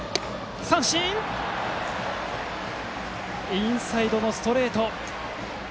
インサイドのストレート。